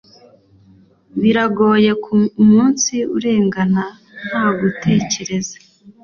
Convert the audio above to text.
Biragoye ko umunsi urengana ntagutekereza